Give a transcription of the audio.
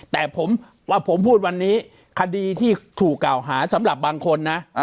แต่ผมว่าผมพูดวันนี้คดีที่ถูกกล่าวหาสำหรับบางคนนะ